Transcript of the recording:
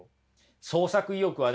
創作意欲はね